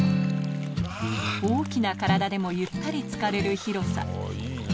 大きな体でもゆったりつかれる広さ湯